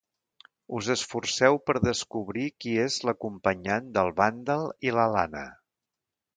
Us esforceu per descobrir qui és l'acompanyant del vàndal i l'alana.